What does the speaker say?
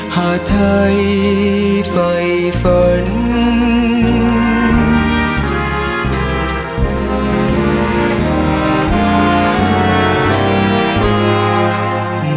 หากไทยไฟฝัน